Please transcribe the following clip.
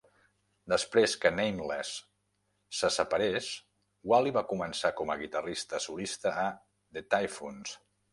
Després que Nameless se separés, Walli va començar com a guitarrista solista a The Typhoons.